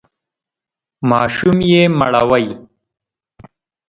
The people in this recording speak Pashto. ماشوم یې مړوئ!